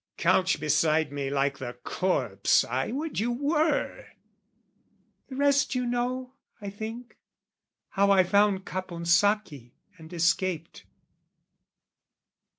Couch beside me like the corpse "I would you were!" The rest you know, I think How I found Caponsacchi and escaped.